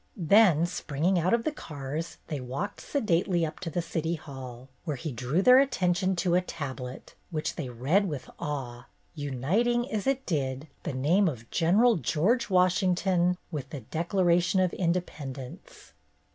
Then springing out of the cars, they walked sedately up to the City Hall, where he drew their attention to a tablet, which they read with awe, uniting, as it did, the name of Gen. George Washington with The Declaration of Independence.